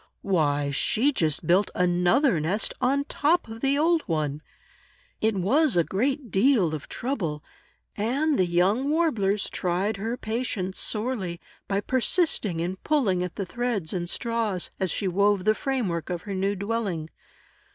Why, she just built another nest on top of the old one! It was a great deal of trouble, and the young Warblers tried her patience sorely, by persisting in pulling at the threads and straws, as she wove the frame work of her new dwelling.